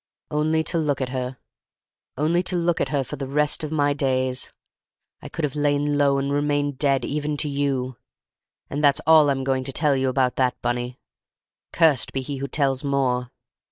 Only to look at her—only to look at her for the rest of my days—I could have lain low and remained dead even to you! And that's all I'm going to tell you about that, Bunny; cursed be he who tells more!